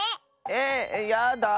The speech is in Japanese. えやだあ。